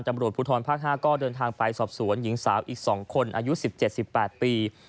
ตำรวจภูทรภาค๕ก็เดินทางไปสอบสวนหญิงสาวอีก๒คนอายุ๑๗๑๘ปี